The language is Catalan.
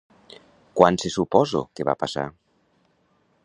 Quan se suposo que va passar?